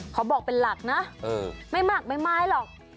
เขาบอกเป็นหลักนะไม่มากไม่ไม้หรอก